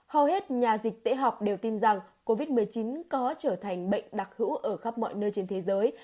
hầu hết nhà dịch tễ học đều tin rằng covid một mươi chín có trở thành bệnh đặc hữu ở khắp mọi nơi trên thế giới